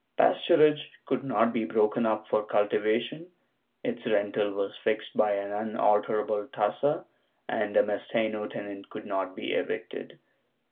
Pasturage could not be broken up for cultivation, its rental was fixed by an unalterable tassa, and a mesteno tenant could not be evicted.